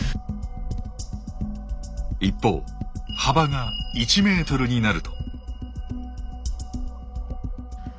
一方幅が１ｍになると。